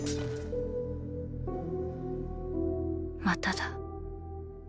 まただ。